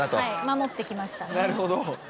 守ってきました。